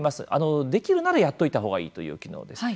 できるならやっておいた方がいいという機能です。